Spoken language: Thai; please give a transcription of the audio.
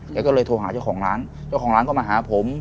แกก็เลยโทรหาเจ้าของร้านเจ้าของร้านก็มาหาผม